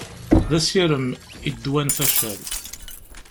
D asirem i ddwa n facal.